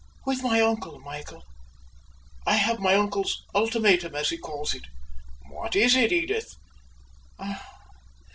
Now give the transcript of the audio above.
"With my uncle, Michael. I have my uncle's 'ultimatum,' as he calls it." "What is it, Edith?" "Ah!